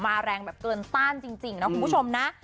แรงแบบเกินต้านจริงนะคุณผู้ชมนะ